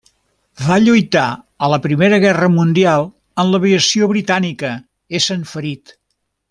Va lluitar a la Primera Guerra Mundial en l'aviació britànica, essent ferit.